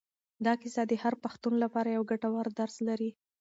دا کیسه د هر پښتون لپاره یو ګټور درس لري.